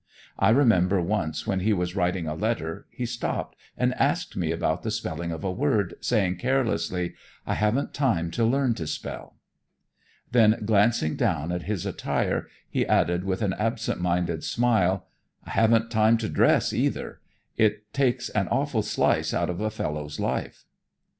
I remember once when he was writing a letter he stopped and asked me about the spelling of a word, saying carelessly, "I haven't time to learn to spell." Then, glancing down at his attire, he added with an absent minded smile, "I haven't time to dress either; it takes an awful slice out of a fellow's life."